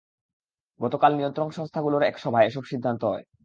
গতকাল নিয়ন্ত্রক সংস্থাগুলোর এক সভায় এসব সিদ্ধান্ত হয়।